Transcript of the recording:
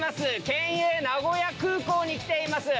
県営名古屋空港に来ています。